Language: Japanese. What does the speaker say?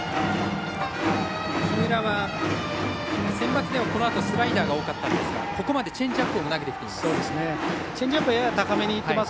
木村はセンバツではこのあとスライダーが多かったんですがここまでチェンジアップも投げてきています。